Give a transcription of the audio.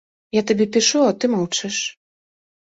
Я табе пішу, а ты маўчыш.